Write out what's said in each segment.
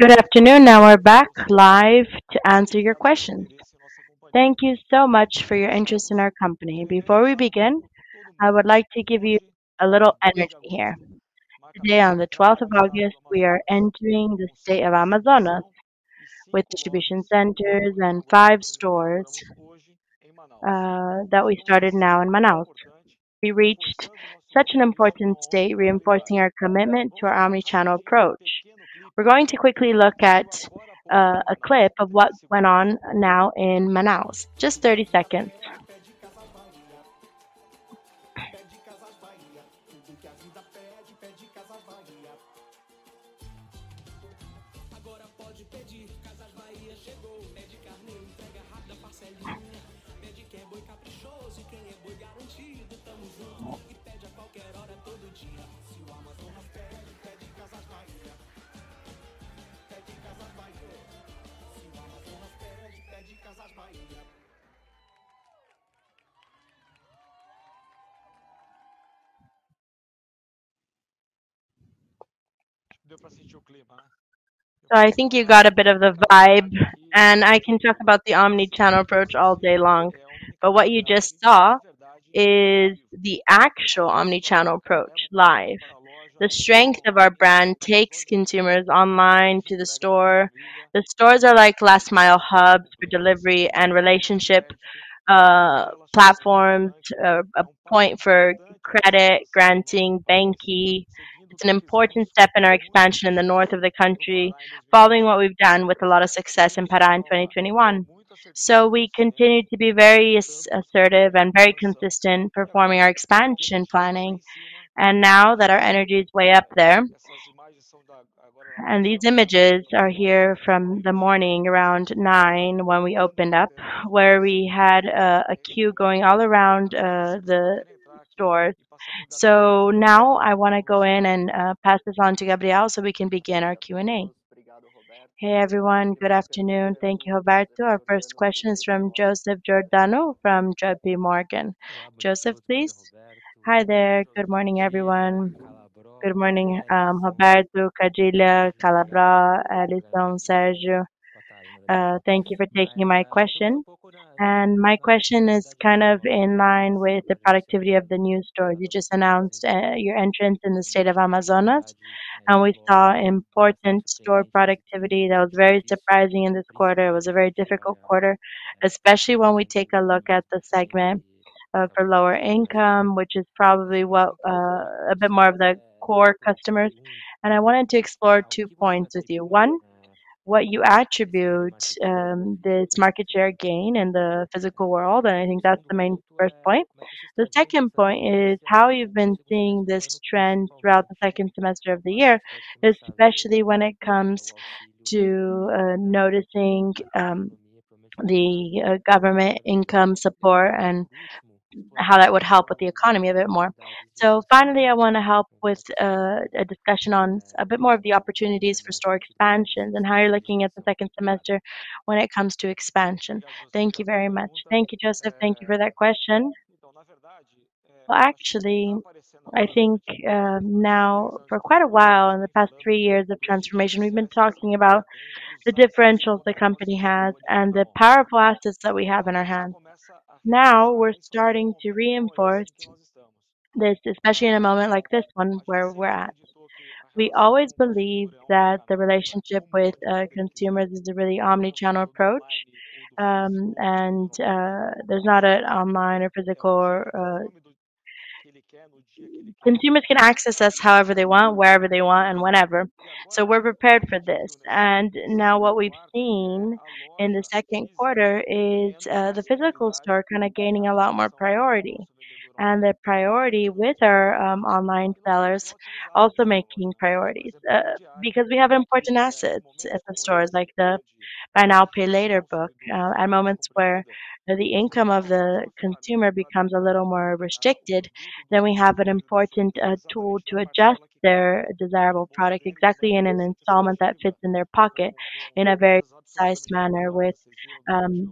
Good afternoon. Now we're back live to answer your questions. Thank you so much for your interest in our company. Before we begin, I would like to give you a little energy here. Today on the 12th of August, we are entering the state of Amazonas with distribution centers and five stores that we started now in Manaus. We reached such an important state reinforcing our commitment to our omni-channel approach. We're going to quickly look at a clip of what went on now in Manaus. Just 30 seconds. I think you got a bit of the vibe, and I can talk about the omni-channel approach all day long. What you just saw is the actual omni-channel approach live. The strength of our brand takes consumers online to the store. The stores are like last mile hubs for delivery and relationship platforms, a point for credit granting, banQi. It's an important step in our expansion in the north of the country, following what we've done with a lot of success in Pará in 2021. We continue to be very assertive and very consistent performing our expansion planning. Now that our energy is way up there, and these images are here from the morning around nine when we opened up, where we had a queue going all around the stores. Now I want to go in and pass this on to Gabriel so we can begin our Q&A. Hey, everyone. Good afternoon. Thank you, Roberto. Our first question is from Joseph Giordano from J.P. Morgan. Joseph, please. Hi there. Good morning, everyone. Good morning, Roberto, Vigilia, Calabró, Alysson, Sérgio. Thank you for taking my question. My question is kind of in line with the productivity of the new store. You just announced your entrance in the state of Amazonas, and we saw important store productivity that was very surprising in this quarter. It was a very difficult quarter, especially when we take a look at the segment for lower income, which is probably what a bit more of the core customers. I wanted to explore two points with you. One, what you attribute this market share gain in the physical world, and I think that's the main first point. The second point is how you've been seeing this trend throughout the second semester of the year, especially when it comes to noticing the government income support and how that would help with the economy a bit more. Finally, I want to help with a discussion on a bit more of the opportunities for store expansion and how you're looking at the second semester when it comes to expansion. Thank you very much. Thank you, Joseph. Thank you for that question. Actually, I think now for quite a while in the past three years of transformation, we've been talking about the differentials the company has and the power of cashless that we have in our hands. Now, we're starting to reinforce this, especially in a moment like this one where we're at. We always believe that the relationship with our consumers is a really omni-channel approach, and there's not an online or physical. Consumers can access us however they want, wherever they want, and whenever. We're prepared for this. Now what we've seen in the Q2 is, the physical store kinda gaining a lot more priority. The priority with our online sellers also making priorities, because we have important assets at the stores, like the buy now, pay later book. At moments where the income of the consumer becomes a little more restricted, then we have an important tool to adjust their desirable product exactly in an installment that fits in their pocket in a very precise manner with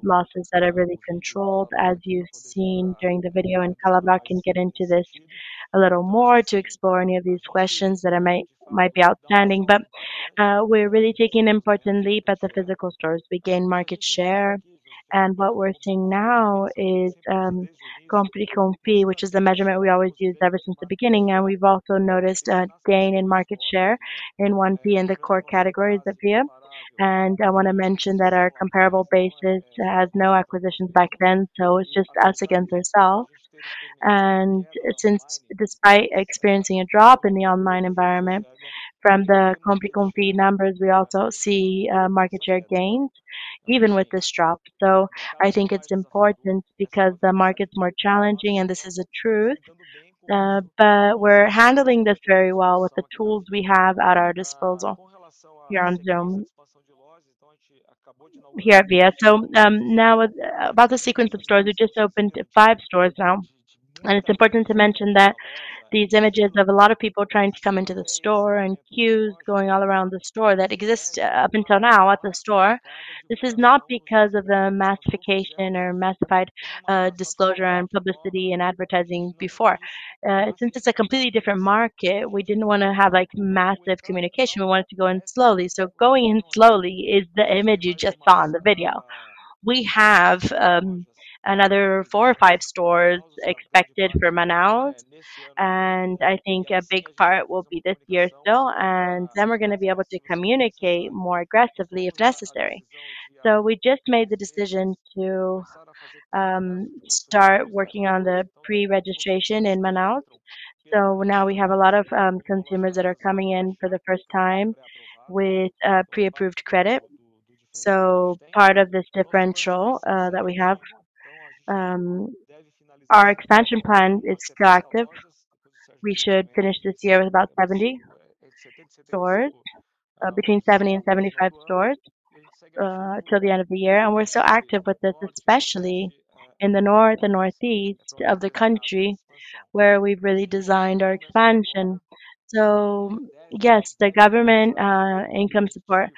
losses that are really controlled, as you've seen during the video. André Calabró can get into this a little more to explore any of these questions that might be outstanding. We're really taking an important leap at the physical stores. We gain market share, and what we're seeing now is Compre & Confie, which is the measurement we always use ever since the beginning. We've also noticed a gain in market share in 1P in the core categories of Via. I want to mention that our comparable basis has no acquisitions back then, so it's just us against ourselves. Even despite experiencing a drop in the online environment from the Compre & Confie numbers, we also see market share gains even with this drop. I think it's important because the market's more challenging, and this is a truth. We're handling this very well with the tools we have at our disposal here at Via. Now, about the sequence of stores, we just opened 5 stores now. It's important to mention that these images of a lot of people trying to come into the store and queues going all around the store that exist up until now at the store. This is not because of the massification or massified disclosure and publicity and advertising before. Since it's a completely different market, we didn't want to have like massive communication. We wanted to go in slowly. Going in slowly is the image you just saw in the video. We have another four or five stores expected for Manaus, and I think a big part will be this year still, and then we're going to be able to communicate more aggressively if necessary. We just made the decision to start working on the pre-registration in Manaus. Now we have a lot of consumers that are coming in for the first time with pre-approved credit, so part of this differential that we have. Our expansion plan is still active. We should finish this year with about 70 stores, between 70 and 75 stores, till the end of the year. We're still active with this, especially in the north and northeast of the country where we've really designed our expansion. Yes, the government income support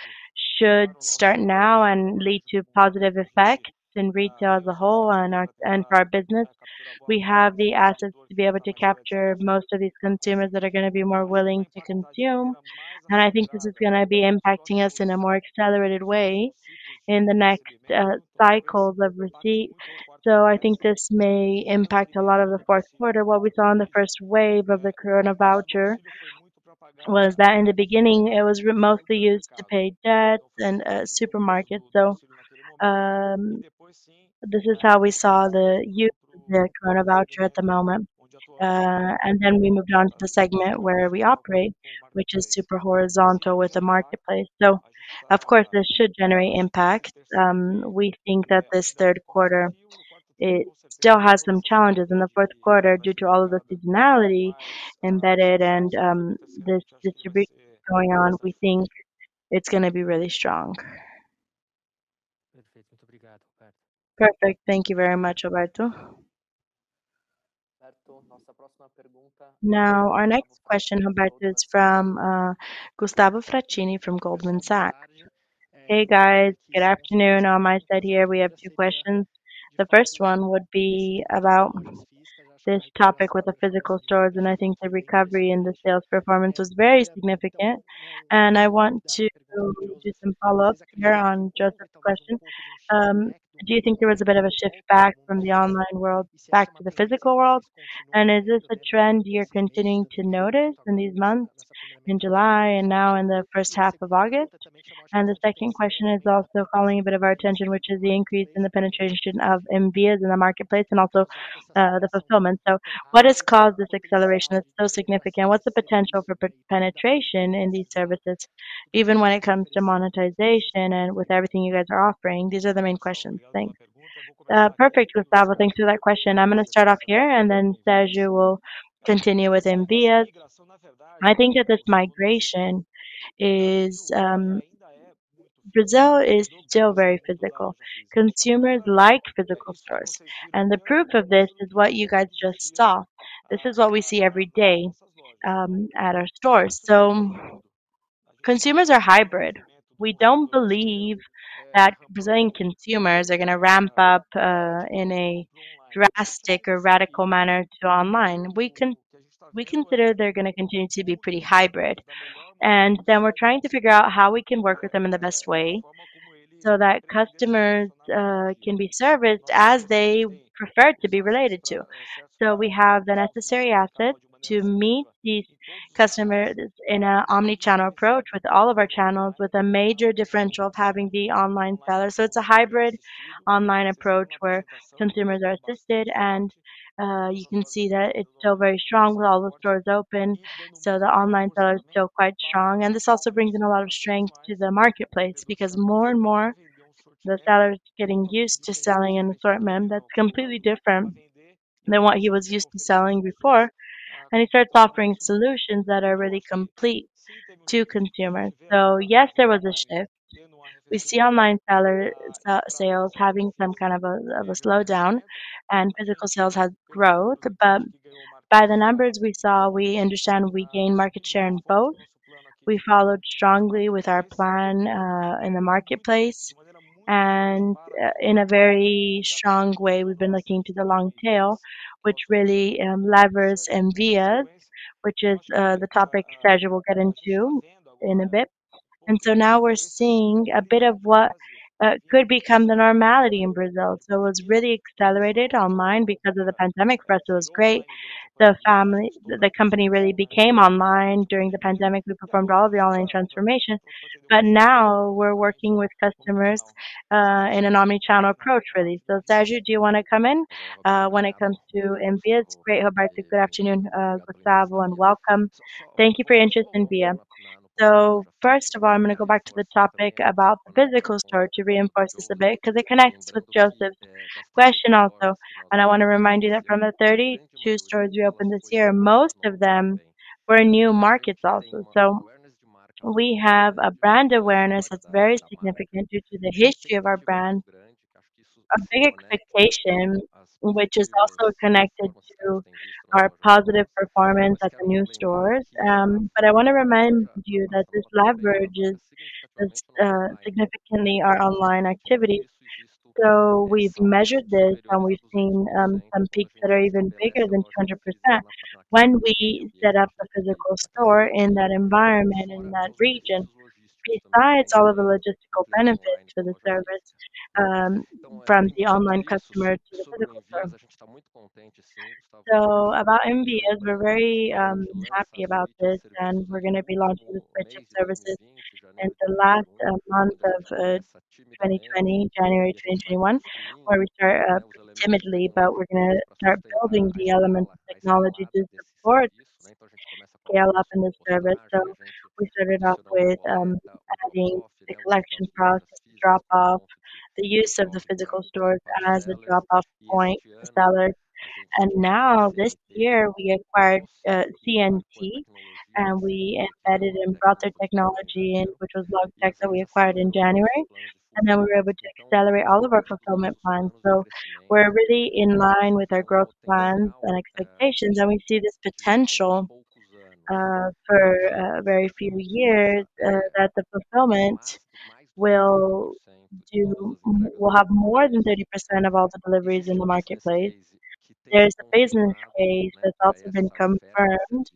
should start now and lead to positive effects in retail as a whole and for our business. We have the assets to be able to capture most of these consumers that are going to be more willing to consume. I think this is going to be impacting us in a more accelerated way in the next cycles of receipt. I think this may impact a lot of the Q4. What we saw in the first wave of the Corona voucher was that in the beginning it was mostly used to pay debts and supermarket. This is how we saw the use of the Corona voucher at the moment. And then we moved on to the segment where we operate, which is super horizontal with the marketplace. Of course this should generate impact. We think that this Q3, it still has some challenges. In the Q4, due to all of the seasonality embedded and this distribution going on, we think it's going to be really strong. Perfect. Thank you very much, Roberto. Now our next question, Roberto, is from Gustavo Piras Oliveira from Goldman Sachs. Hey, guys. Good afternoon on my side here. We have two questions. The first one would be about this topic with the physical stores, and I think the recovery in the sales performance was very significant. I want to do some follow-up here on Joseph's question. Do you think there was a bit of a shift back from the online world back to the physical world? Is this a trend you're continuing to notice in these months in July and now in the first half of August? The second question is also calling a bit of our attention, which is the increase in the penetration of Envvias in the marketplace and also, the fulfillment. What has caused this acceleration that's so significant? What's the potential for penetration in these services even when it comes to monetization and with everything you guys are offering? These are the main questions. Thanks. Perfect, Gustavo. Thanks for that question. I'm going to start off here and then Sérgio will continue with Envvias. I think that this migration is. Brazil is still very physical. Consumers like physical stores. The proof of this is what you guys just saw. This is what we see every day at our stores. Consumers are hybrid. We don't believe that Brazilian consumers are going to ramp up in a drastic or radical manner to online. We consider they're going to continue to be pretty hybrid. We're trying to figure out how we can work with them in the best way so that customers can be serviced as they prefer to be related to. We have the necessary assets to meet these customers in a omni-channel approach with all of our channels, with a major differential of having the online seller. It's a hybrid online approach where consumers are assisted and you can see that it's still very strong with all the stores open. The online seller is still quite strong. This also brings in a lot of strength to the marketplace because more and more the seller is getting used to selling an assortment that's completely different than what he was used to selling before, and he starts offering solutions that are really complete to consumers. Yes, there was a shift. We see online seller sales having some kind of a slowdown and physical sales had growth. By the numbers we saw, we understand we gained market share in both. We followed strongly with our plan in the marketplace and in a very strong way we've been looking to the long tail, which really levers Envvias, which is the topic Sérgio will get into in a bit. Now we're seeing a bit of what could become the normality in Brazil. It was really accelerated online because of the pandemic. For us it was great. The company really became online during the pandemic. We performed all of the online transformation. Now we're working with customers in an omni-channel approach really. Sérgio, do you want to come in when it comes to Envvias? Great, Roberto. Good afternoon, Gustavo, and welcome. Thank you for your interest in Envvias. First of all, I'm going to go back to the topic about the physical store to reinforce this a bit 'cause it connects with Joseph's question also. I want to remind you that from the 32 stores we opened this year, most of them were in new markets also. We have a brand awareness that's very significant due to the history of our brand. A big expectation, which is also connected to our positive performance at the new stores. I want to remind you that this leverages, it's, significantly our online activity. We've measured this and we've seen some peaks that are even bigger than 200%. When we set up the physical store in that environment, in that region, besides all of the logistical benefits to the service, from the online customer to the physical store. About GMVs, we're very happy about this, and we're going to be launching the switch of services in the last month of 2020, January 2021, where we start up timidly. We're going to start building the elements of technology to support scale up in the service. We started off with adding the collection process, drop off, the use of the physical stores as a drop-off point for sellers. Now this year, we acquired CNT, and we embedded and brought their technology in, which was LogTech that we acquired in January. Now we're able to accelerate all of our fulfillment plans. We're really in line with our growth plans and expectations. We see this potential for a very few years that the fulfillment will have more than 30% of all deliveries in the marketplace. There's a vast space that's also been confirmed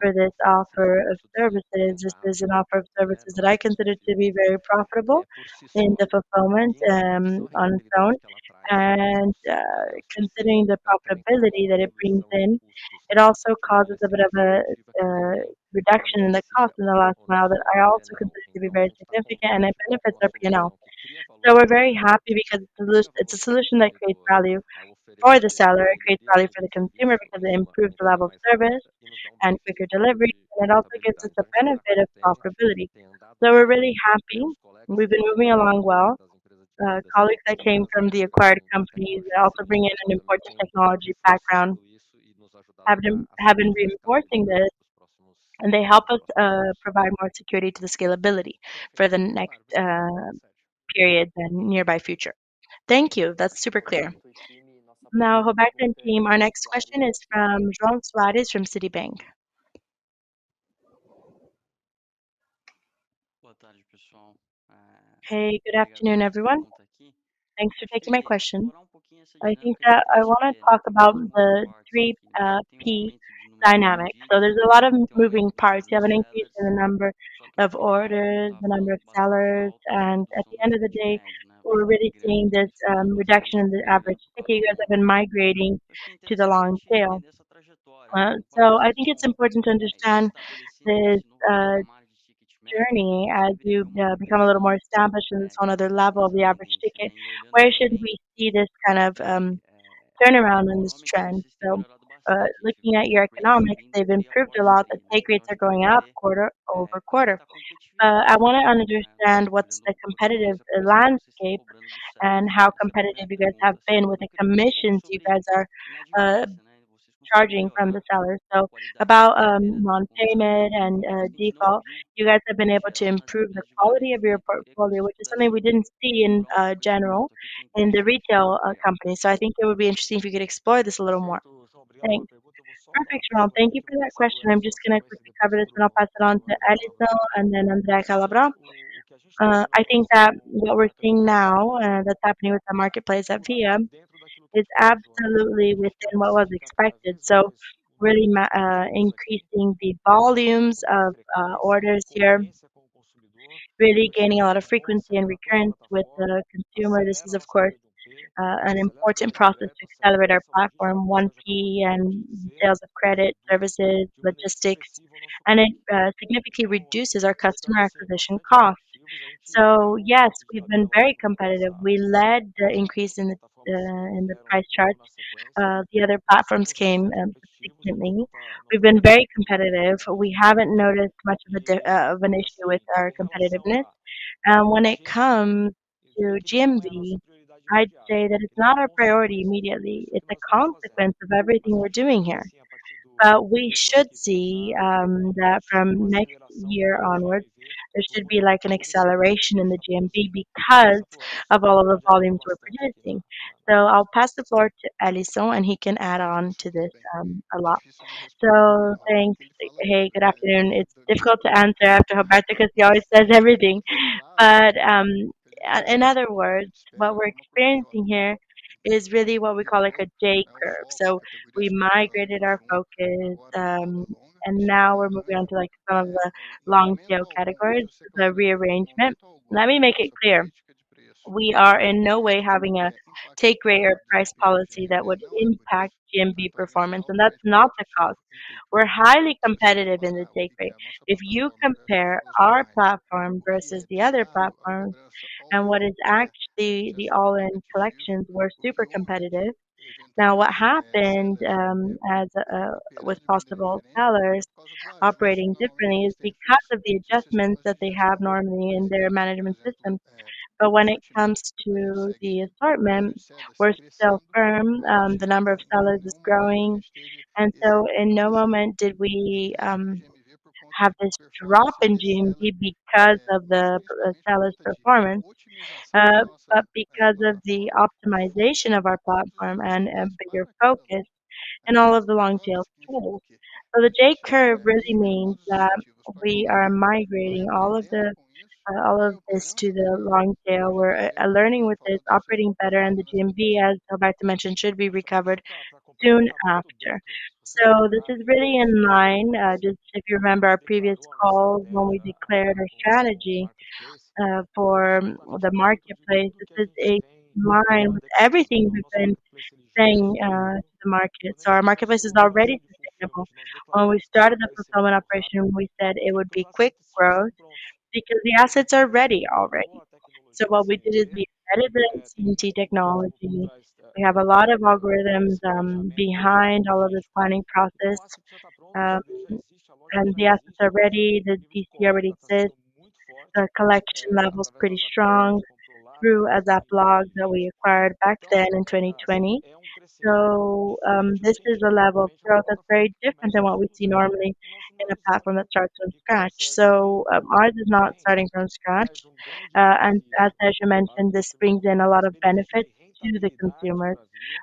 for this offer of services. This is an offer of services that I consider to be very profitable in the fulfillment on its own. Considering the profitability that it brings in, it also causes a bit of a reduction in the cost in the last mile that I also consider to be very significant, and it benefits our P&L. We're very happy because it's a solution that creates value for the seller. It creates value for the consumer because it improves the level of service and quicker delivery, and it also gives us the benefit of profitability. We're really happy. We've been moving along well. Colleagues that came from the acquired companies that also bring in an important technology background have been reinforcing this, and they help us provide more security to the scalability for the next period and nearby future. Thank you. That's super clear. Now, Roberto and team, our next question is from João Soares from Citi. Hey, good afternoon, everyone. Thanks for taking my question. I think that I want to talk about the 3P dynamics. So there's a lot of moving parts. You have an increase in the number of orders, the number of sellers. At the end of the day, we're really seeing this reduction in the average ticket as you guys have been migrating to the long tail. I think it's important to understand this journey as you've become a little more established in this whole other level of the average ticket. Where should we see this kind of turnaround in this trend? Looking at your economics, they've improved a lot. The take rates are going up quarter-over-quarter. I want to understand what's the competitive landscape and how competitive you guys have been with the commissions you guys are charging from the sellers. About non-payment and default, you guys have been able to improve the quality of your portfolio, which is something we didn't see generally in the retail companies. I think it would be interesting if you could explore this a little more. Thanks. Perfect, João. Thank you for that question. I'm just going to quickly cover this, and I'll pass it on to Alysson and then André Calabró. I think that what we're seeing now, that's happening with the marketplace at Via is absolutely within what was expected. Really increasing the volumes of orders here, really gaining a lot of frequency and recurrence with the consumer. This is of course an important process to accelerate our platform, 1P and sales of credit, services, logistics, and it significantly reduces our customer acquisition cost. Yes, we've been very competitive. We led the increase in the price charts. The other platforms came subsequently. We've been very competitive. We haven't noticed much of an issue with our competitiveness. When it comes to GMV, I'd say that it's not our priority immediately. It's a consequence of everything we're doing here. We should see that from next year onwards, there should be like an acceleration in the GMV because of all the volumes we're producing. I'll pass the floor to Alysson, and he can add on to this, a lot. Thanks. Hey, good afternoon. It's difficult to answer after Roberta because she always says everything. In other words, what we're experiencing here is really what we call like a J curve. We migrated our focus, and now we're moving on to like some of the long tail categories, the rearrangement. Let me make it clear. We are in no way having a take rate or price policy that would impact GMV performance, and that's not the cause. We're highly competitive in the take rate. If you compare our platform versus the other platforms and what is actually the all-in collections, we're super competitive. Now what happened with possible sellers operating differently is because of the adjustments that they have normally in their management system. When it comes to the assortment, we're still firm. The number of sellers is growing. In no moment did we have this drop in GMV because of the seller's performance, but because of the optimization of our platform and a bigger focus and all of the long tail tools. The J-curve really means that we are migrating all of this to the long tail. We're learning which is operating better and the GMV, as Roberto mentioned, should be recovered soon after. This is really in line, just if you remember our previous call when we declared our strategy for the marketplace. This is in line with everything we've been saying to the market. Our marketplace is already sustainable. When we started the fulfillment operation, we said it would be quick growth because the assets are ready already. What we did is we added the CNT technology. We have a lot of algorithms behind all of this planning process. The assets are ready. The DC already exists. Our collection level is pretty strong through ASAPLog that we acquired back then in 2020. This is a level of growth that's very different than what we see normally in a platform that starts from scratch. Ours is not starting from scratch. As Sergio mentioned, this brings in a lot of benefits to the consumers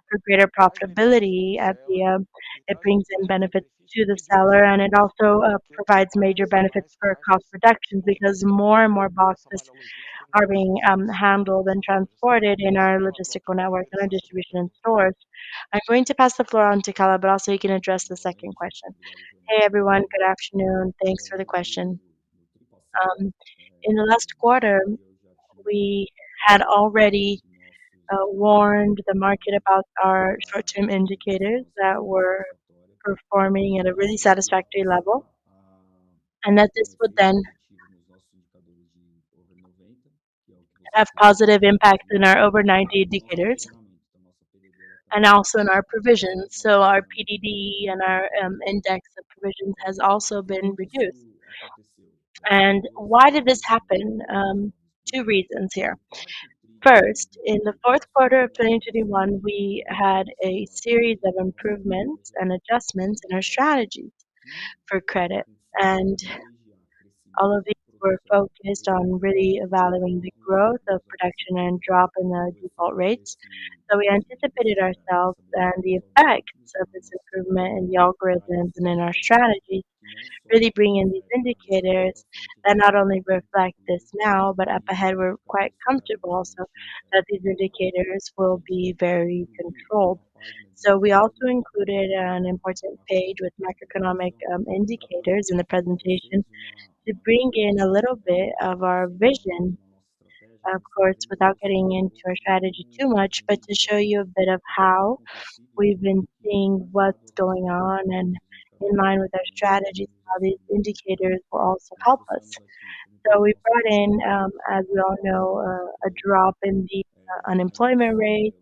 for greater profitability at the. It brings in benefits to the seller, and it also provides major benefits for cost reduction because more and more boxes are being handled and transported in our logistical network and our distribution in stores. I'm going to pass the floor on to Calabro, but also you can address the second question. Hey, everyone. Good afternoon. Thanks for the question. In the last quarter, we had already warned the market about our short-term indicators that were performing at a really satisfactory level, and that this would then have positive impact in our over ninety indicators and also in our provisions. Our PDD and our index of provisions has also been reduced. Why did this happen? Two reasons here. First, in the Q4 of 2021, we had a series of improvements and adjustments in our strategies for credit. All of these were focused on really evaluating the growth of production and drop in our default rates. We anticipated ourselves and the effect of this improvement in the algorithms and in our strategy, really bringing these indicators that not only reflect this now, but up ahead we're quite comfortable also that these indicators will be very controlled. We also included an important page with macroeconomic indicators in the presentation to bring in a little bit of our vision. Of course, without getting into our strategy too much, but to show you a bit of how we've been seeing what's going on and in line with our strategies, how these indicators will also help us. We brought in, as we all know, a drop in the unemployment rate,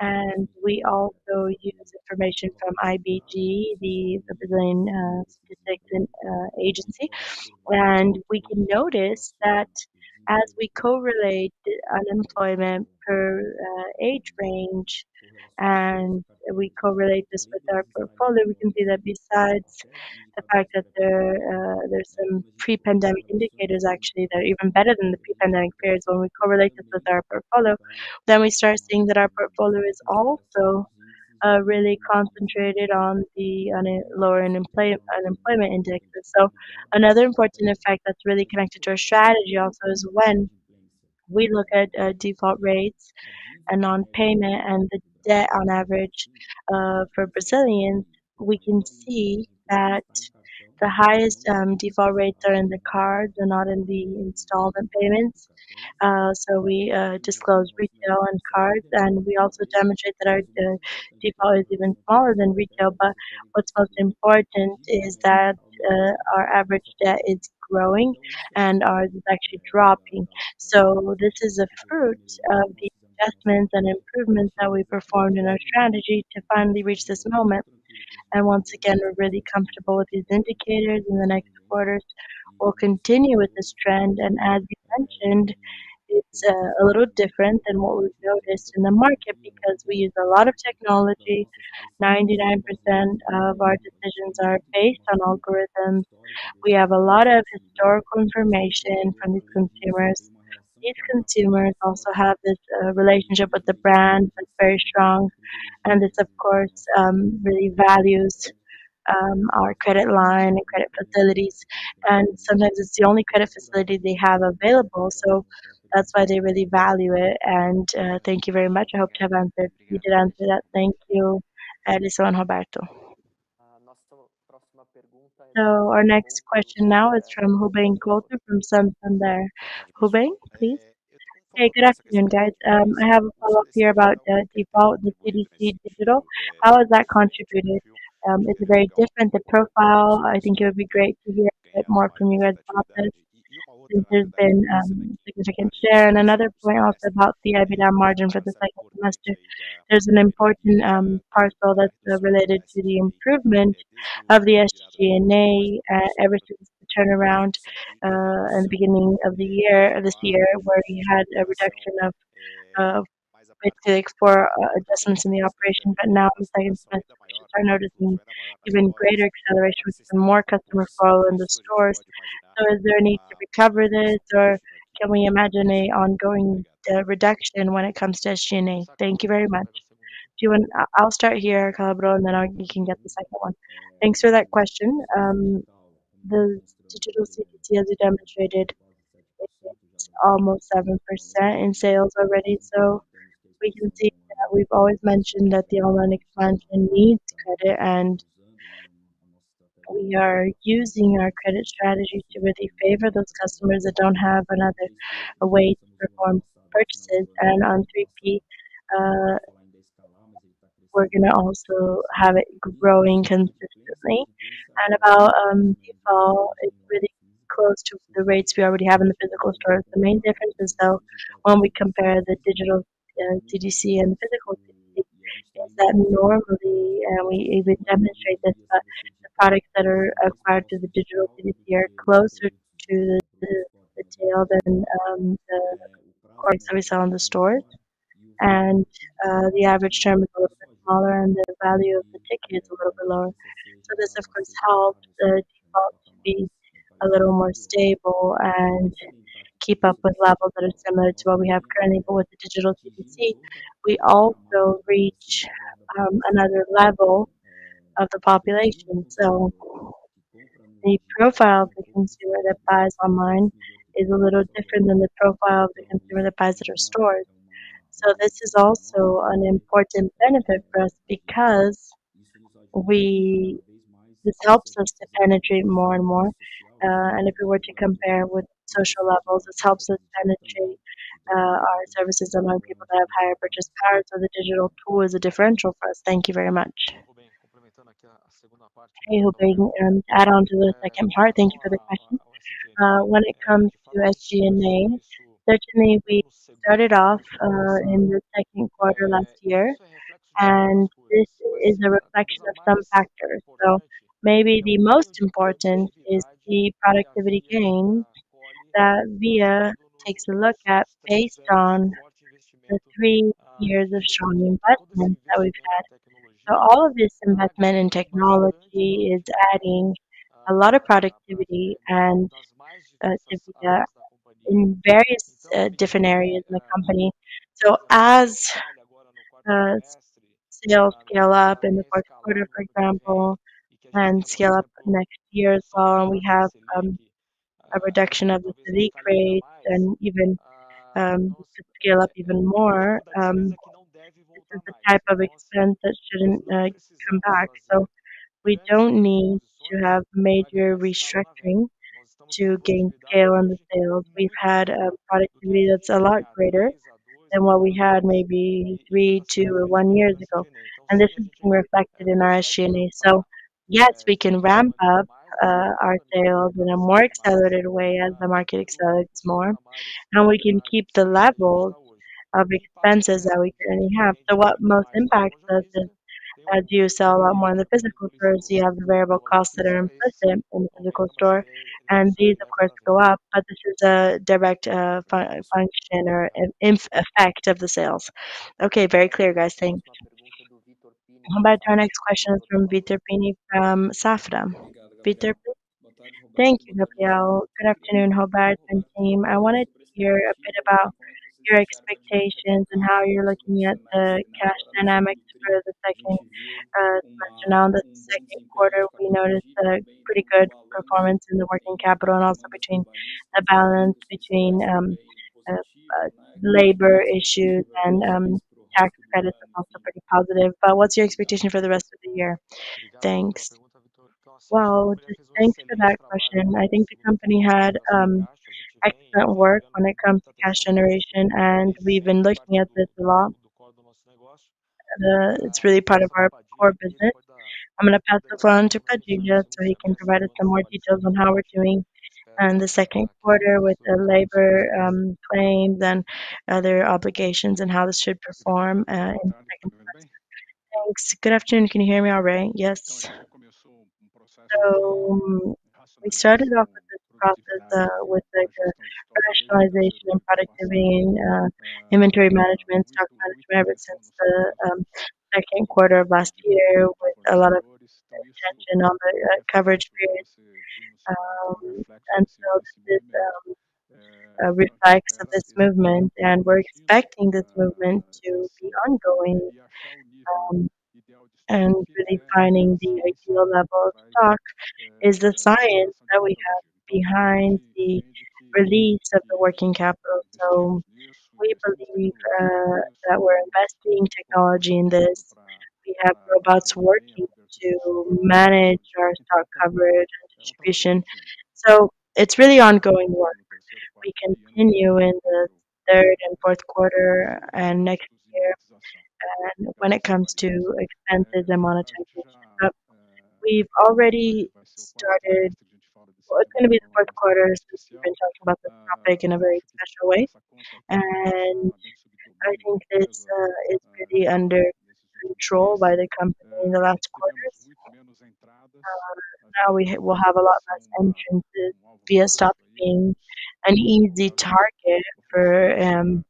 and we also use information from IBGE, the Brazilian statistics agency. We can notice that as we correlate unemployment per age range and we correlate this with our portfolio, we can see that besides the fact that there is some pre-pandemic indicators actually that are even better than the pre-pandemic periods when we correlate this with our portfolio. We start seeing that our portfolio is also really concentrated on the lower unemployment index. Another important effect that's really connected to our strategy also is when we look at default rates and non-payment and the debt on average for Brazilians, we can see that the highest default rates are in the cards and not in the installment payments. We disclose retail and cards, and we also demonstrate that our default is even lower than retail. What's most important is that our average debt is growing and ours is actually dropping. This is a fruit of the investments and improvements that we performed in our strategy to finally reach this moment. Once again, we're really comfortable with these indicators. In the next quarters, we'll continue with this trend. As we mentioned, it's a little different than what we've noticed in the market because we use a lot of technology. 99% of our decisions are based on algorithms. We have a lot of historical information from the consumers. These consumers also have this relationship with the brand that's very strong. This of course really values our credit line and credit facilities, and sometimes it's the only credit facility they have available. That's why they really value it. Thank you very much. I hope to have answered. You did answer that. Thank you, Alysson and Roberto. Our next question now is from Ruben Couto from Santander. Ruben, please. Hey, good afternoon, guys. I have a follow-up here about the default with CDC Digital. How has that contributed? It's very different, the profile. I think it would be great to hear a bit more from you as well since there's been significant share. Another point also about CIB, our margin for the second semester. There's an important parcel that's related to the improvement of the SG&A ever since the turnaround in the beginning of this year, where we had a reduction in the operation, but now the second semester we are noticing even greater acceleration with some more customer flow in the stores. Is there a need to recover this or can we imagine an ongoing reduction when it comes to SG&A? Thank you very much. If you want, I'll start here, André Calabro, and then Orivaldo Padilha can get the second one. Thanks for that question. The digital CDC as we demonstrated is almost 7% in sales already. We can see that we've always mentioned that the online expansion needs credit, and we are using our credit strategy to really favor those customers that don't have another way to perform purchases. On 3P, we're going to also have it growing consistently. About default, it's really close to the rates we already have in the physical stores. The main difference is though when we compare the digital CDC and physical CDC is that normally, we demonstrate this, but the products that are acquired through the digital CDC are closer to the retail than the products that we sell in the store. The average term is a little bit smaller and the value of the ticket is a little bit lower. This of course helped the default to be a little more stable and keep up with levels that are similar to what we have currently. With the digital CDC we also reach another level of the population. The profile of the consumer that buys online is a little different than the profile of the consumer that buys at our stores. This is also an important benefit for us because this helps us to penetrate more and more. If we were to compare with social levels, this helps us penetrate our services among people that have higher purchase power. The digital tool is a differential for us. Thank you very much. Hey, Robinho. Add on to the second part. Thank you for the question. When it comes to SG&A, certainly we started off in the Q2 last year, and this is a reflection of some factors. Maybe the most important is the productivity gain that Via takes a look at based on the three years of strong investment that we've had. All of this investment in technology is adding a lot of productivity and is in various different areas in the company. As sales scale up in the Q4, for example, and scale up next year as well, we have a reduction of the SG&A rates and even to scale up even more. This is the type of expense that shouldn't come back. We don't need to have major restructuring to gain scale on the sales. We've had a productivity that's a lot greater than what we had maybe 3, 2 or 1 years ago, and this is being reflected in our SG&A. Yes, we can ramp up our sales in a more accelerated way as the market accelerates more. We can keep the level of expenses that we currently have. What most impacts us is as you sell a lot more in the physical stores, you have the variable costs that are implicit in the physical store and these of course go up, but this is a direct effect of the sales. Okay. Very clear, guys. Thank you. Our next question is from Vitor Pini from Safra. Vitor Pini? Thank you, Robinho. Good afternoon, Roberto and team. I wanted to hear a bit about your expectations and how you're looking at the cash dynamics for the second semester now. The Q2 we noticed had a pretty good performance in the working capital and also the balance between labor issues and tax credits are also pretty positive. What's your expectation for the rest of the year? Thanks. Well, thank you for that question. I think the company had excellent work when it comes to cash generation, and we've been looking at this a lot. It's really part of our core business. I'm going to pass the phone to Orivaldo so he can provide us some more details on how we're doing in the Q2 with the labor claims and other obligations and how this should perform in the second semester. Thanks. Good afternoon. Can you hear me all right? Yes. We started off with this process, with like a professionalization in productivity and inventory management, stock management ever since the Q2 of last year with a lot of attention on the coverage period. This is a reflection of this movement and we're expecting this movement to be ongoing. Really finding the ideal level of stock is the science that we have behind the release of the working capital. We believe that we're investing in technology in this. We have robots working to manage our stock coverage and distribution. It's really ongoing work. We continue in the third and Q4 and next year. When it comes to expenses and monetization, we've already started. Well, it's going to be the Q4 since we've been talking about this topic in a very special way. I think it's pretty under control by the company in the last quarter. Now we'll have a lot less instances. We have stopped being an easy target for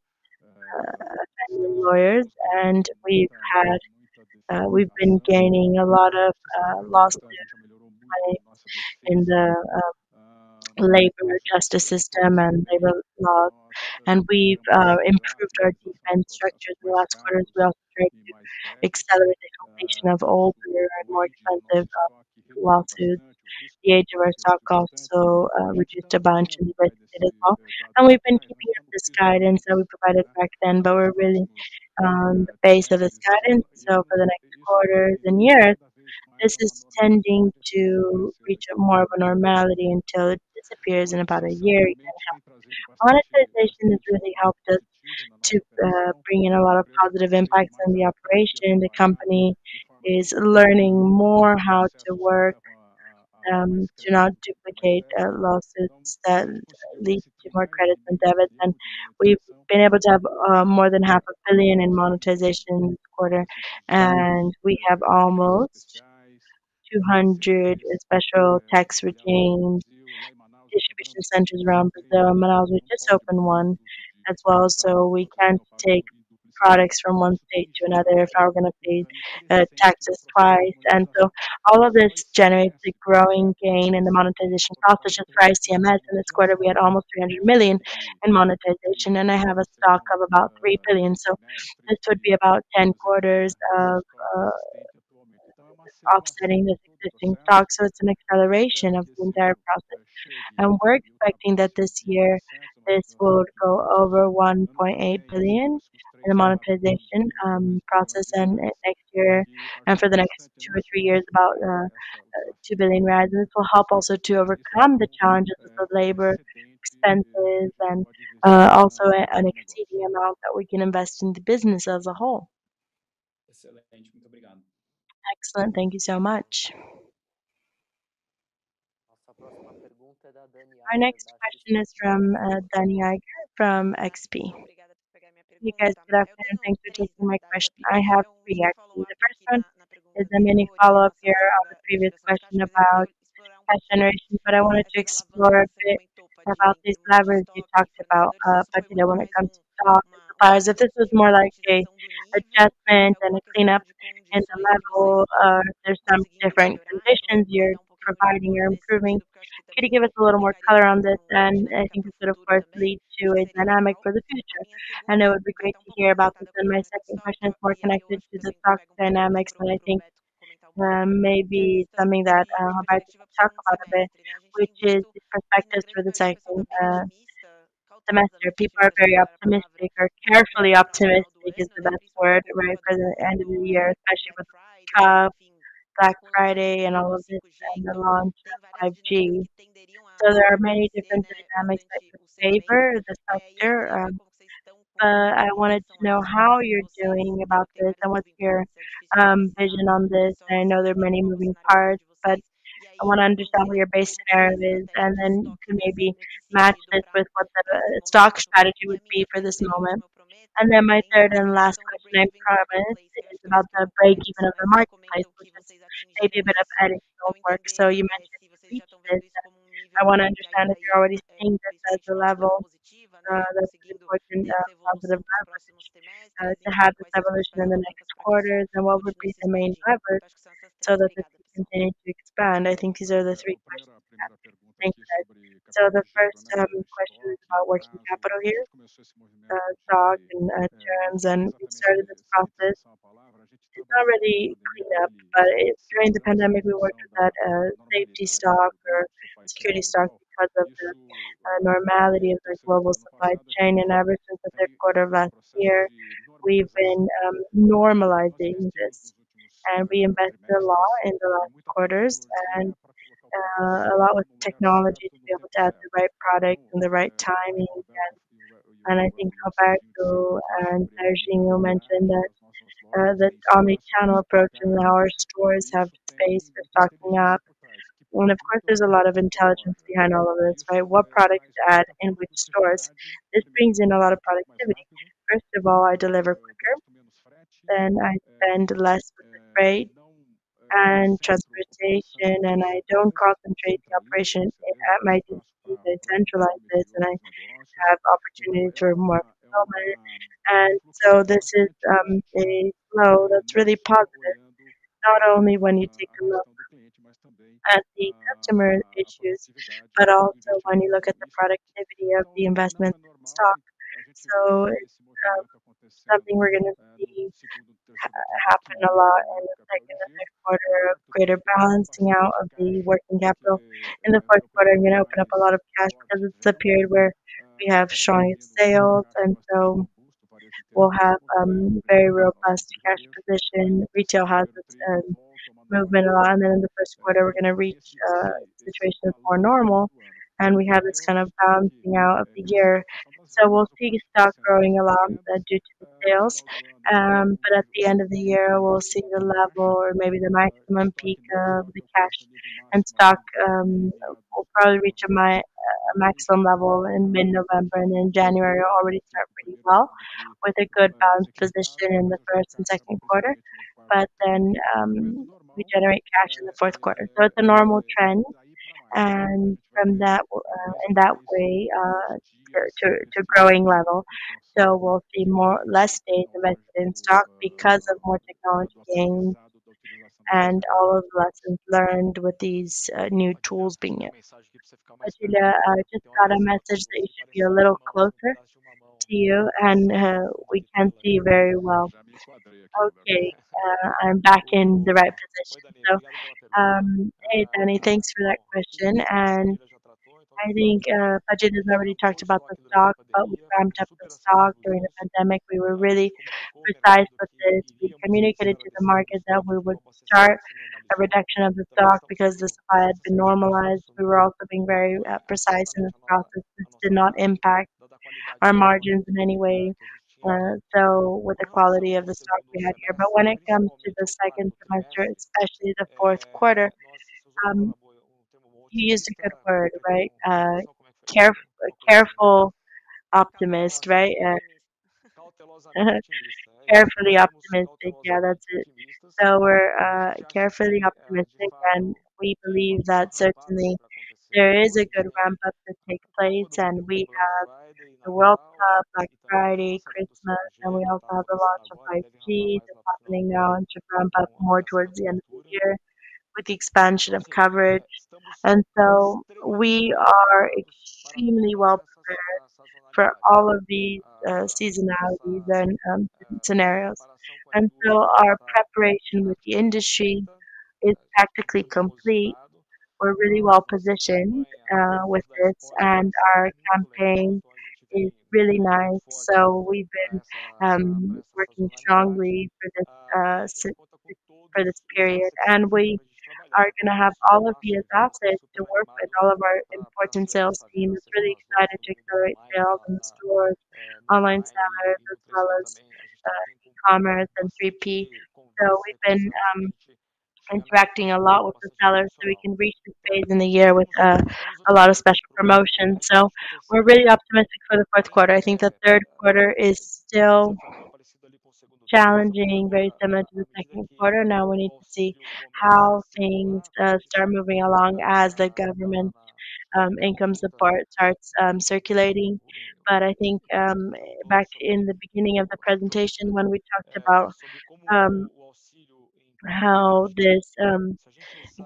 lawyers. We've been gaining a lot of lost money in the labor justice system and labor laws. We've improved our defense structure in the last quarter as well to try to accelerate the completion of older and more expensive lawsuits. The age of our stock also reduced a bunch and we've invested as well. We've been keeping up this guidance that we provided back then, but we're really the base of this guidance. For the next quarters and years, this is tending to reach more of a normality until it disappears in about a year. Monetization has really helped us to bring in a lot of positive impacts on the operation. The company is learning more how to work to not duplicate lawsuits that lead to more credits than debits. We've been able to have more than half a billion BRL in monetization per quarter. We have almost 200 special tax regime distribution centers around Brazil. Manaus, we just opened one as well, so we can't take products from one state to another if I were going to pay taxes twice. All of this generates a growing gain in the monetization process for ICMS. In this quarter, we had almost 300 million in monetization, and I have a stock of about 3 billion. This would be about 10 quarters of offsetting this existing stock. It's an acceleration of the entire process. We're expecting that this year this will go over 1.8 billion in the monetization process. For the next 2 or 3 years, about BRL 2 billion rise. This will help also to overcome the challenges of labor expenses and also an excess amount that we can invest in the business as a whole. Excellent. Thank you so much. Our next question is from Danniela Eiger from XP. Thank you, guys, for the afternoon. Thanks for taking my question. I have 3 actually. The first one is a mini follow-up here on the previous question about cash generation, but I wanted to explore a bit about these levers you talked about, you know, when it comes to stock. That this was more like an adjustment and a cleanup. The level, there's some different conditions you're providing, you're improving. Can you give us a little more color on this? I think this would, of course, lead to a dynamic for the future. I know it would be great to hear about this. My second question is more connected to the stock dynamics that I think may be something that Roberto talked about a bit, which is the prospects for the second semester. People are very optimistic or cautiously optimistic, is the best word, right, for the end of the year, especially with World Cup, Black Friday, and all of this and the launch of 5G. There are many different dynamics that would favor this semester. I wanted to know how you're doing about this and what's your vision on this. I know there are many moving parts, but I want to understand what your base narrative is, and then you can maybe match this with what the stock strategy would be for this moment. Then my third and last question, I promise, is about the breakeven of the marketplace, which is maybe a bit of editing of work. You mentioned features. I want to understand if you're already seeing this as a level that's important of the drivers to have this evolution in the next quarters. What would be the main drivers so that this can continue to expand? I think these are the three questions. Thank you, guys. The first question is about working capital here, stock and terms, and we started this process. It's already cleaned up, but during the pandemic, we worked with that, safety stock or security stock because of the abnormality of this global supply chain. Ever since the Q3 of last year, we've been normalizing this and reducing inventory levels in the last quarters and a lot with technology to be able to have the right product and the right timing, and I think Roberto and Sérgio mentioned that, this omnichannel approach and now our stores have space for stocking up. Of course, there's a lot of intelligence behind all of this, right? What product to add in which stores. This brings in a lot of productivity. First of all, I deliver quicker, then I spend less with the freight and transportation, and I don't concentrate the operations at my DC to centralize this, and I have opportunity to earn more fulfillment. This is a flow that's really positive, not only when you take a look at the customer issues, but also when you look at the productivity of the investment stock. It's something we're going to see happen a lot in the second and Q3 of greater balancing out of the working capital. In the Q4, I'm going to open up a lot of cash because it's a period where we have strongest sales, and so we'll have very robust cash position. Retail has its own movement a lot. In the Q1, we're going to reach a situation more normal, and we have this kind of balancing out of the year. We'll see stock growing a lot due to the sales. But at the end of the year, we'll see the level or maybe the maximum peak of the cash and stock, will probably reach a maximum level in mid-November and then January already start pretty well with a good balanced position in the first and Q2 but then, we generate cash in the Q4. It's a normal trend and from that in that way to growing level. We'll see less days invested in stock because of more technology gains and all of the lessons learned with these new tools being used. Patrícia, I just got a message that you should be a little closer to you and, we can't see you very well. Okay. I'm back in the right position. Hey, Danny. Thanks for that question. I think Rogério has already talked about the stock, but we ramped up the stock during the pandemic. We were really precise with this. We communicated to the market that we would start a reduction of the stock because the supply had been normalized. We were also being very precise in this process. This did not impact our margins in any way, so with the quality of the stock we had here. When it comes to the second semester, especially the Q4, you used a good word, right? A careful optimist, right? Carefully optimistic. Yeah, that's it. We're carefully optimistic, and we believe that certainly there is a good ramp up to take place. We have the World Cup, Black Friday, Christmas, and we also have the launch of 5G that's happening now and should ramp up more towards the end of the year with the expansion of coverage. We are extremely well prepared for all of these, seasonality scenarios. Our preparation with the industry is practically complete. We're really well positioned with this, and our campaign is really nice. We've been working strongly for this period, and we are going to have all of the assets to work with all of our important sales teams. Really excited to accelerate sales in the stores, online seller as well as e-commerce and 3P. We've been interacting a lot with the sellers so we can reach this phase in the year with a lot of special promotions. We're really optimistic for the Q4. I think the Q3 is still challenging, very similar to the Q2. Now we need to see how things start moving along as the government income support starts circulating. I think back in the beginning of the presentation when we talked about how this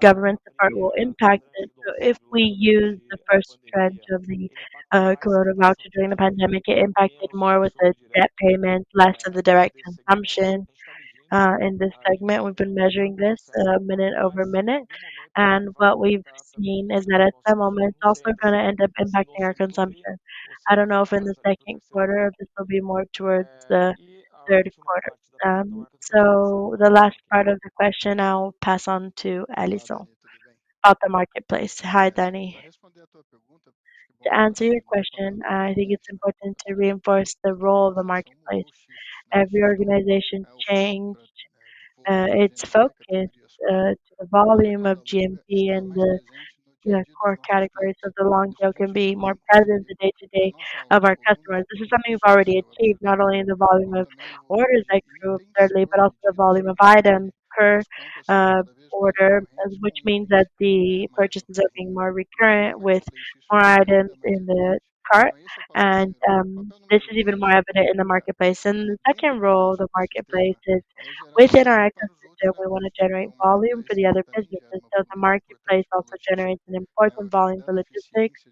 government support will impact this. If we use the first trend of the Corona voucher during the pandemic, it impacted more with this debt payment, less of the direct consumption. In this segment, we've been measuring this minute over minute. What we've seen is that at the moment, it's also going to end up impacting our consumption. I don't know if in the Q2 or if this will be more towards the Q3. So the last part of the question, I'll pass on to Alysson about the marketplace. Hi, Danny. To answer your question, I think it's important to reinforce the role of the marketplace. Every organization changed its focus to the volume of GMV and the core categories of the long tail can be more present in day-to-day of our customers. This is something we've already achieved, not only in the volume of orders that grew 30%, but also the volume of items per order, which means that the purchases are being more recurrent with more items in the cart. This is even more evident in the marketplace. The second role of the marketplace is within our ecosystem, we want to generate volume for the other businesses. The marketplace also generates an important volume for logistics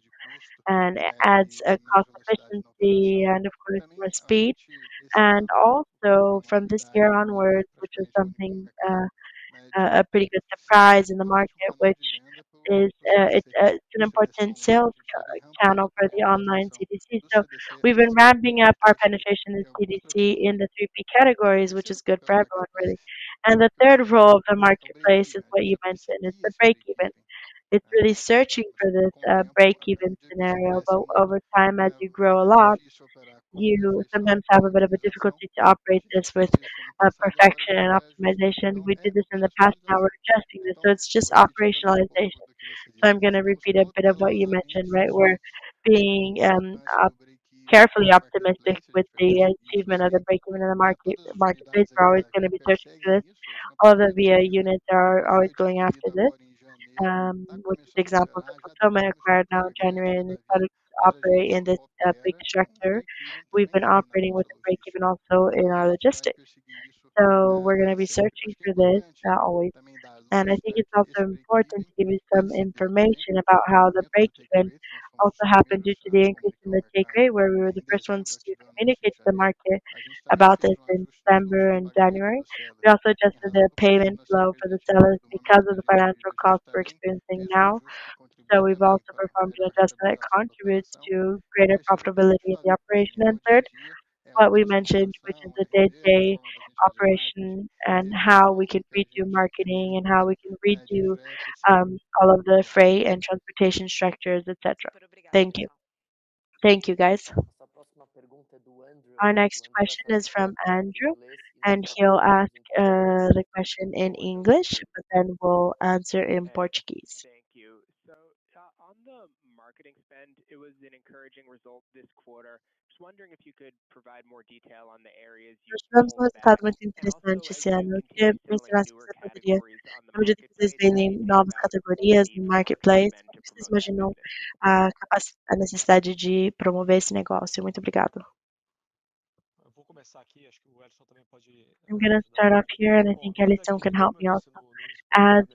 and adds a cost efficiency and of course, more speed. Also from this year onwards, which is something, a pretty good surprise in the market, which is an important sales channel for the online CDC. We've been ramping up our penetration in CDC in the 3P categories, which is good for everyone really. The third role of the marketplace is what you mentioned, it's the breakeven. It's really searching for this breakeven scenario. But over time, as you grow a lot, you sometimes have a bit of a difficulty to operate this with perfection and optimization. We did this in the past, now we're adjusting this, so it's just operationalization. I'm going to repeat a bit of what you mentioned, right? We're being carefully optimistic with the achievement of the break even in the marketplace. We're always going to be searching for this, all the Via units are always going after this. With the example of the fulfillment acquired now generating other operations in this big structure. We've been operating with the break even also in our logistics. We're going to be searching for this always. I think it's also important to give you some information about how the break even also happened due to the increase in the take rate, where we were the first ones to communicate to the market about this in December and January. We also adjusted the payment flow for the sellers because of the financial costs we're experiencing now. We've also performed an adjustment that contributes to greater profitability in the operation. Third, what we mentioned, which is the day-to-day operation and how we can redo marketing and how we can redo all of the freight and transportation structures, et cetera. Thank you. Thank you, guys. Our next question is from Andrew, and he'll ask the question in English, but then we'll answer in Portuguese. Thank you. On the marketing spend, it was an encouraging result this quarter. Just wondering if you could provide more detail on the areas you saw the best. Also on newer categories on the marketplace. You mentioned that there was some investment there. Do you see more need to promote it? I'm going to start off here, and I think Alysson can help me also.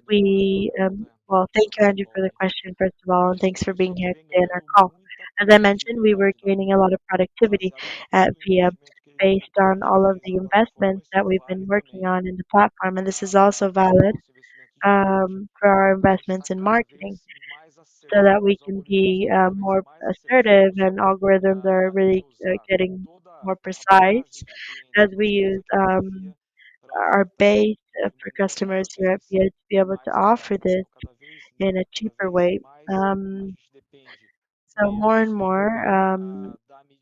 Well, thank you, Andrew, for the question, first of all, and thanks for being here today on our call. As I mentioned, we were gaining a lot of productivity at Via based on all of the investments that we've been working on in the platform. This is also valid for our investments in marketing so that we can be more assertive. Algorithms are really getting more precise as we use our base of pre-customers who have yet to be able to offer this in a cheaper way. More and more,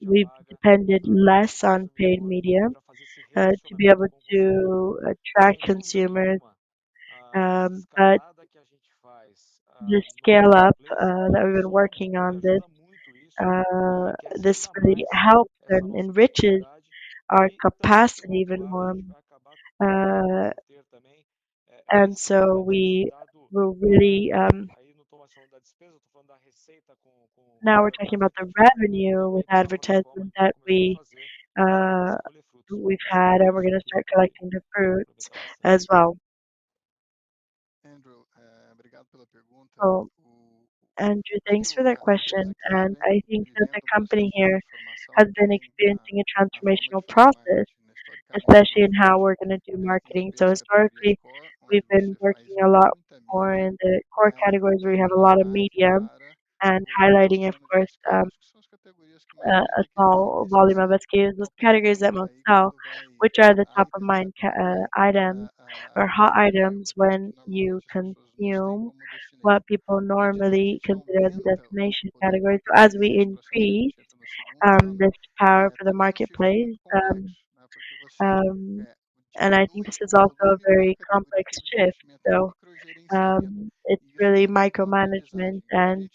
we've depended less on paid media to be able to attract consumers. The scale-up that we've been working on this really helps and enriches our capacity even more. Now we're talking about the revenue with advertisements that we've had, and we're going to start collecting the fruits as well. Andrew, thanks for that question. I think that the company here has been experiencing a transformational process, especially in how we're going to do marketing. Historically, we've been working a lot more in the core categories where we have a lot of media and highlighting, of course, a small volume of SKUs. Those categories that most sell, which are the top of mind items or hot items when you consume what people normally consider the destination category. As we increase this power for the marketplace, and I think this is also a very complex shift. It's really micromanagement, and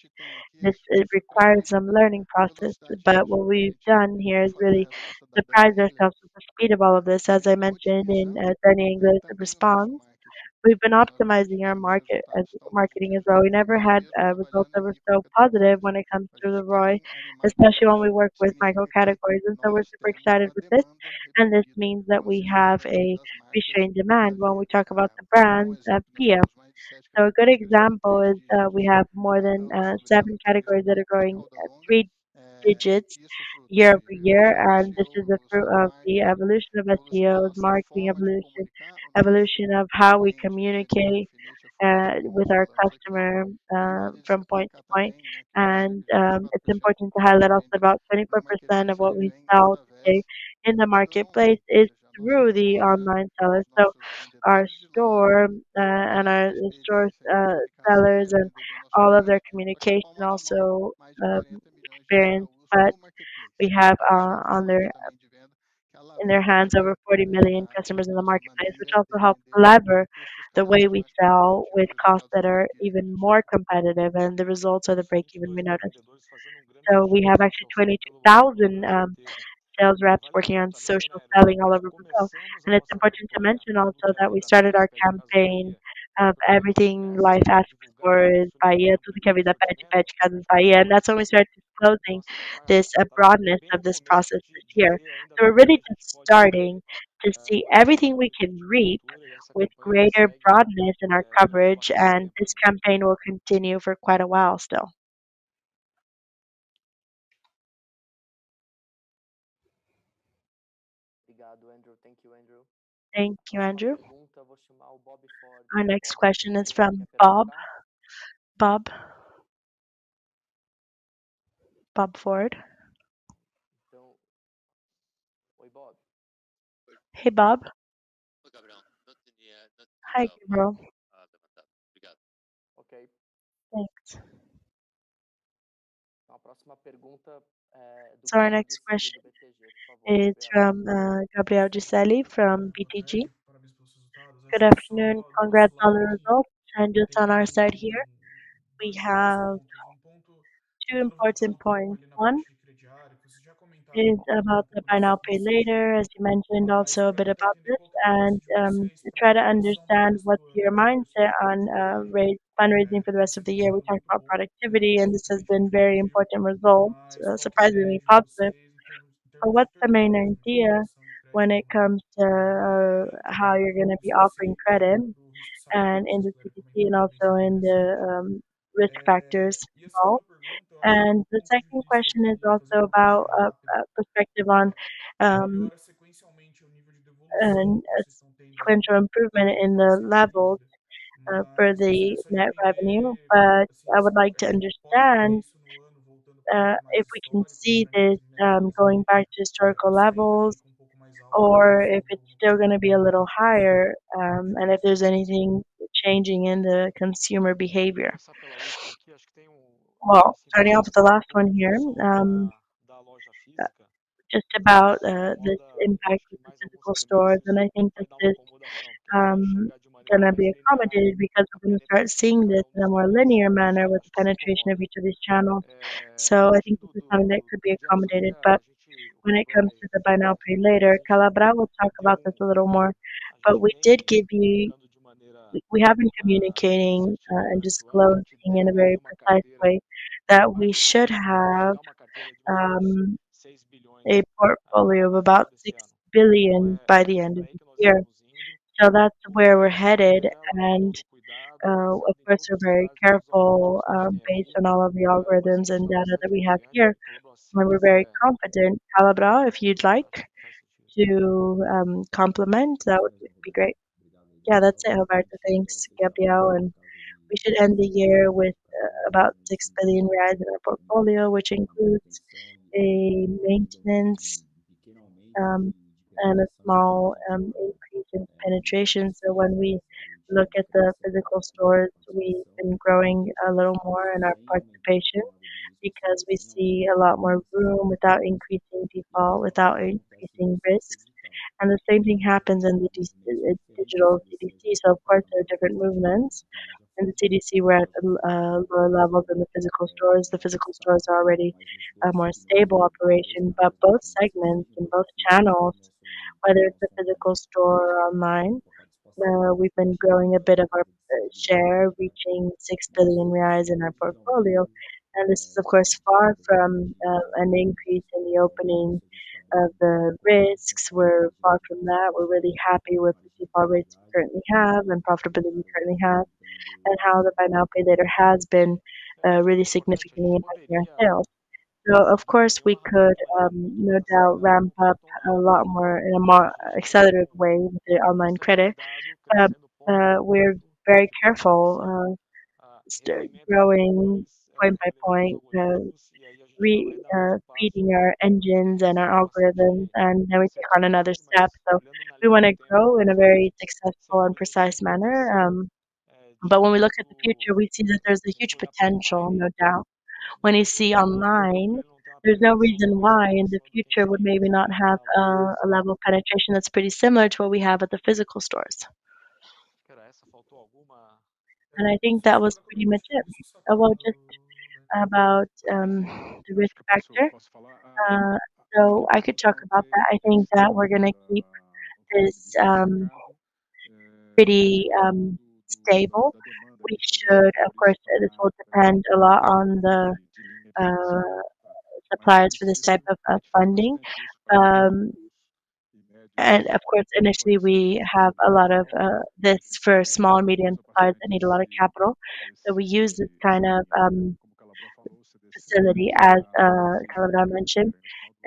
this, it requires some learning process. What we've done here is really surprise ourselves with the speed of all of this. As I mentioned in turning English response, we've been optimizing our marketing as well. We never had results that were so positive when it comes to the ROI, especially when we work with micro categories. We're super excited with this, and this means that we have a restrained demand when we talk about the brands at Via. A good example is we have more than 7 categories that are growing at three digits year-over-year. This is the fruit of the evolution of SEOs, marketing evolution of how we communicate with our customer from point to point. It's important to highlight also about 24% of what we sell today in the marketplace is through the online sellers. Our stores and our sellers and all of their communication, also experience. We have in their hands over 40 million customers in the marketplace, which also helps leverage the way we sell with costs that are even more competitive. The results are the break-even we noted. We have actually 22,000 sales reps working on social selling all over Brazil. It's important to mention also that we started our campaign of everything life asks for is Via. Tudo que a vida pede Via. That's when we started disclosing this breadth of this process here. We're really just starting to see everything we can reap with greater breadth in our coverage, and this campaign will continue for quite a while still. Thank you, Andrew. Thank you, Andrew. Our next question is from Bob. Robert Ford. Hi, Bob. Hey, Bob. Hi, Gabriel. Hi, Gabriel. Thanks. Our next question is from Gabriel Disselli from BTG Pactual. Good afternoon. Congrats on the results. Just on our side here, we have two important points. One is about the buy now, pay later, as you mentioned. Also a bit about this and to try to understand what's your mindset on refinancing for the rest of the year. We talked about productivity, and this has been very important result, surprisingly positive. What's the main idea when it comes to how you're going to be offering credit and in the CDC and also in the risk factors involved? The second question is also about a perspective on an potential improvement in the levels for the net revenue. I would like to understand, if we can see this, going back to historical levels or if it's still going to be a little higher, and if there's anything changing in the consumer behavior. Well, starting off with the last one here. Just about, the impact with the physical stores, and I think that this going to be accommodated because we're going to start seeing this in a more linear manner with the penetration of each of these channels. So I think this is something that could be accommodated. When it comes to the buy now, pay later, Calabro will talk about this a little more. We have been communicating, and disclosing in a very precise way that we should have, a portfolio of about 6 billion by the end of the year. So that's where we're headed. Of course, we're very careful based on all of the algorithms and data that we have here, and we're very confident. Calabro, if you'd like to complement, that would be great. Yeah. That's it, Roberto. Thanks, Gabriel. We should end the year with about 6 billion reais in our portfolio, which includes a maintenance and a small increase in penetration. When we look at the physical stores, we've been growing a little more in our participation because we see a lot more room without increasing default, without increasing risks. The same thing happens in the digital CDC. Of course, there are different movements. In the CDC, we're at a lower level than the physical stores. The physical stores are already a more stable operation. Both segments and both channels, whether it's the physical store or online, we've been growing a bit of our share, reaching 6 billion reais in our portfolio. This is, of course, far from an increase in the opening of the risks. We're far from that. We're really happy with the default rates we currently have and profitability we currently have and how the buy now, pay later has been really significantly impacting our sales. Of course, we could no doubt ramp up a lot more in a more accelerated way with the online credit. We're very careful start growing point by point because we are feeding our engines and our algorithms, and then we take on another step. We want to grow in a very successful and precise manner. When we look at the future, we see that there's a huge potential, no doubt. When you see online, there's no reason why in the future would maybe not have a level of penetration that's pretty similar to what we have at the physical stores. I think that was pretty much it. About the risk factor. I could talk about that. I think that we're going to keep this pretty stable. Of course, this will depend a lot on the suppliers for this type of funding. Of course, initially we have a lot of this for small and medium suppliers that need a lot of capital. We use this kind of facility as Calabro mentioned.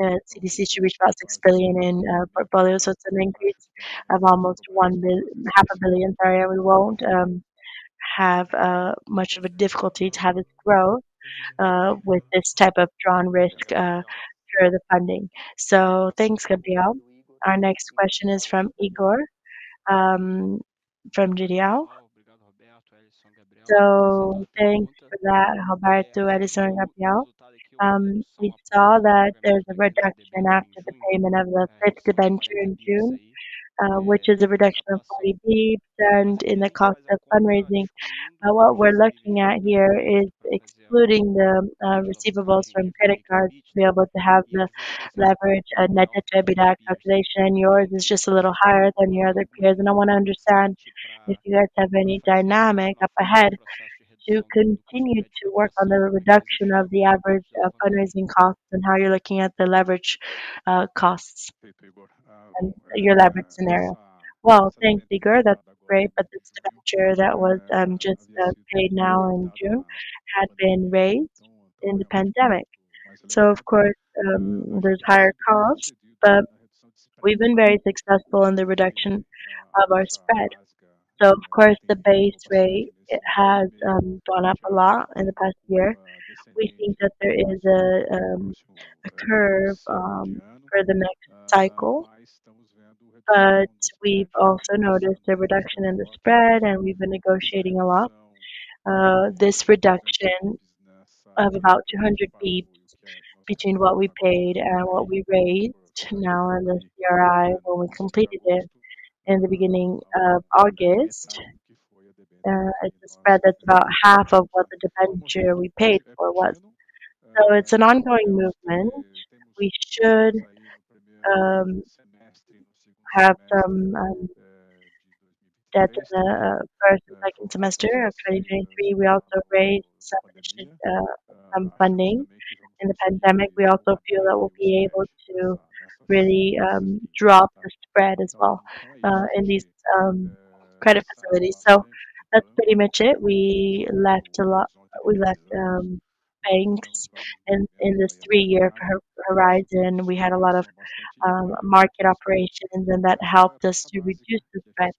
CDC should reach about 6 billion in portfolio. It's an increase of almost 1 and a half billion. Sorry, I won't have much of a difficulty to have it grow with this type of drawdown risk through the funding. Thanks, Gabriel. Our next question is from Igor from Genial. Thanks for that, Roberto, Edson, Gabriel. We saw that there's a reduction after the payment of the fifth debenture in June, which is a reduction of 40 basis points and in the cost of fundraising. What we're looking at here is excluding the receivables from credit cards to be able to have the leverage and net to EBITDA calculation. Yours is just a little higher than your other peers, and I want to understand if you guys have any dynamic up ahead to continue to work on the reduction of the average of fundraising costs and how you're looking at the leverage costs and your leverage scenario. Well, thanks, Igor. That's great. But this debenture that was just paid now in June had been raised in the pandemic. So of course, there's higher costs. But we've been very successful in the reduction of our spread. So of course, the base rate, it has gone up a lot in the past year. We think that there is a curve for the next cycle. But we've also noticed a reduction in the spread, and we've been negotiating a lot. This reduction of about 200 basis points between what we paid and what we raised now in the CRI when we completed it in the beginning of August at a spread that's about half of what the debenture we paid for was. It's an ongoing movement. We should have some debt in the first and second semester of 2023. We also raised some additional funding in the pandemic. We also feel that we'll be able to really drop the spread as well in these credit facilities. That's pretty much it. We left banks in this three-year horizon. We had a lot of market operations, and that helped us to reduce the spread.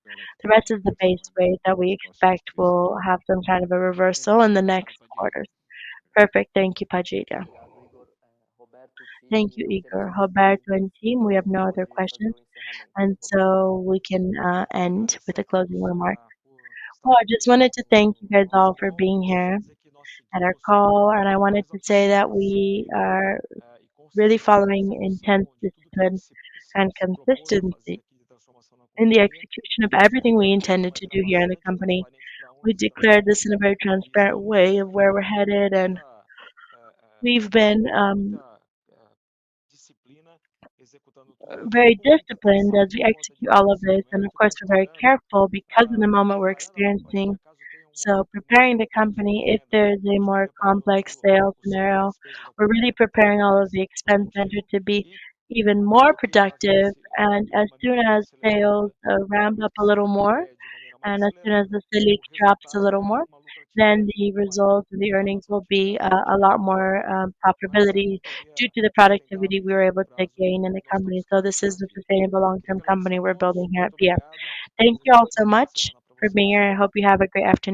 The rest is the base rate that we expect will have some kind of a reversal in the next quarter. Perfect. Thank you, Rogério. Thank you, Igor. Roberto Fulcherberguer and team, we have no other questions, and so we can end with a closing remark. Well, I just wanted to thank you guys all for being here at our call, and I wanted to say that we are really following intense discipline and consistency in the execution of everything we intended to do here in the company. We declared this in a very transparent way of where we're headed, and we've been very disciplined as we execute all of this. Of course, we're very careful because in the moment we're experiencing. Preparing the company if there is a more complex sales scenario. We're really preparing all of the expense center to be even more productive. As soon as sales ramp up a little more, and as soon as the Selic drops a little more, then the results and the earnings will be a lot more profitability due to the productivity we were able to gain in the company. This is the sustainable long-term company we're building here at Grupo Casas Bahia. Thank you all so much for being here. I hope you have a great afternoon.